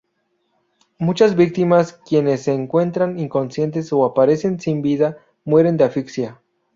Muchas víctimas quienes se encuentran inconscientes o aparecen sin vida mueren de asfixia.